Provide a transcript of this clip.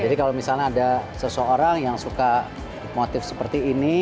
jadi kalau misalnya ada seseorang yang suka motif seperti ini